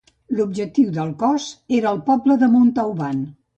L’objectiu del Cos era el poble de Montauban.